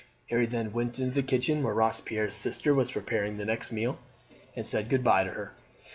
Harry then went into the kitchen, where Robespierre's sister was preparing the next meal, and said good bye to her.